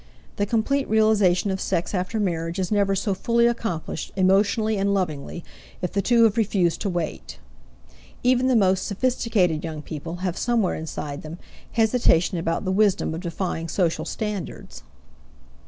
The complete realization of sex after marriage is never so fully accomplished, emotionally and lovingly, if the two have refused to wait. Even the most sophisticated young people have somewhere inside them hesitations about the wisdom of defying social standards.